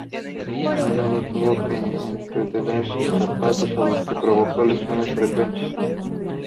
A menudo tuvo que entrenar sin zapatos, lo que le provocó lesiones frecuentes.